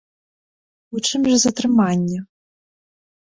У чым жа затрыманне?